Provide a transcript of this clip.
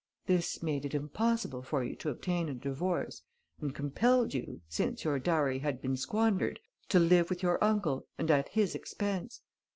This made it impossible for you to obtain a divorce and compelled you, since your dowry had been squandered, to live with your uncle and at his expense.